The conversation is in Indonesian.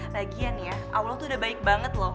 bahagian ya allah tuh udah baik banget loh